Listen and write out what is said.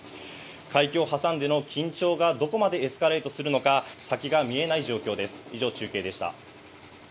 海峡を挟んでの緊張がどこまでエスカレートするのか、先が見えない状況です。